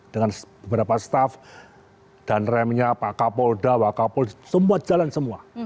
dengan beberapa staff dan remnya pak kapolda pak kapol semua jalan semua